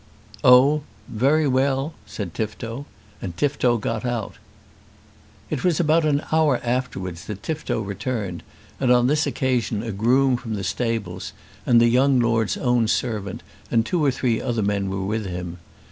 "Oh; very well," said Tifto; and Tifto got out. It was about an hour afterwards that Tifto returned, and on this occasion a groom from the stables, and the young Lord's own servant, and two or three other men were with him.